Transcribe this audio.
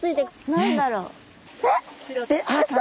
何だろう？